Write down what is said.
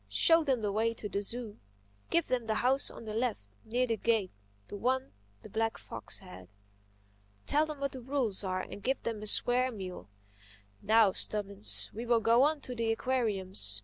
"Show them the way to the zoo. Give them the house on the left, near the gate—the one the black fox had. Tell them what the rules are and give them a square meal—Now, Stubbins, we will go on to the aquariums.